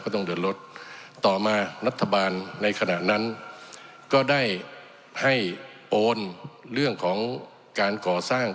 ต้องเดินรถต่อมารัฐบาลในขณะนั้นก็ได้ให้โอนเรื่องของการก่อสร้าง